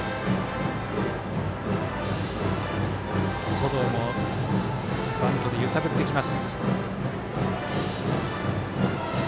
登藤もバントで揺さぶってきます。